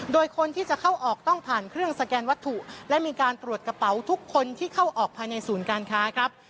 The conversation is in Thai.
โดยคนที่จะเข้าออกต้องผ่านเครื่องสแกนวัตถุและมีการตรวจกระเป๋าทุกคนที่เข้าออกภายในศูนย์การค้าครับ